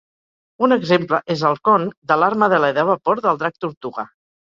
Un exemple és el con de l'arma d'alè de vapor del drac tortuga.